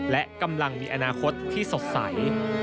และกำลังมีอนาคตที่สดใส